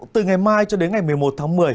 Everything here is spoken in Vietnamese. từ ngày mai cho đến ngày một mươi một tháng một mươi